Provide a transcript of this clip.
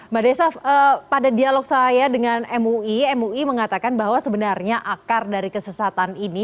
mbak desaf pada dialog saya dengan mui mui mengatakan bahwa sebenarnya akar dari kesesatan ini